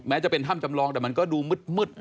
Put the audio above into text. จะเป็นถ้ำจำลองแต่มันก็ดูมืด